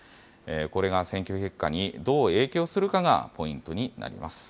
これが選挙結果にどう影響するかがポイントになります。